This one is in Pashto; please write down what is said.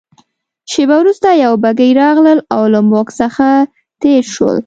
شېبه وروسته یوه بګۍ راغلل او له موږ څخه تېره شول.